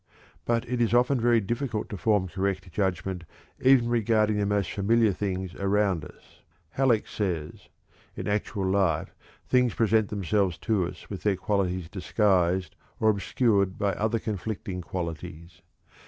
But it is often very difficult to form correct judgment even regarding the most familiar things around us. Halleck says: "In actual life things present themselves to us with their qualities disguised or obscured by other conflicting qualities.